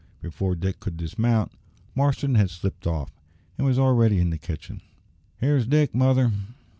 Before Dick could dismount, Marston had slipped off, and was already in the kitchen. "Here's Dick, mother!"